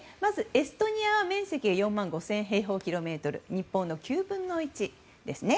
エストニアは面積が４万５０００平方キロメートル日本の９分の１ですね。